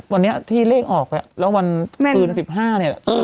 วันนี้ที่เลขออกไว้แล้ววันแม่น้ำหนึ่งสิบห้าเนี่ยเออ